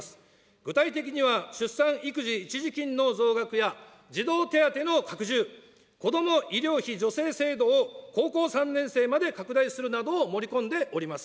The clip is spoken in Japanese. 具体的には、出産育児一時金の増額や、児童手当の拡充、子ども医療費助成制度を高校３年生まで拡大するなどを盛り込んでおります。